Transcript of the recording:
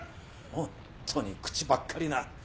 ホントに口ばっかりな。